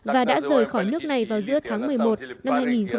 và đã rời khỏi nước này vào giữa tháng một mươi một năm hai nghìn một mươi bảy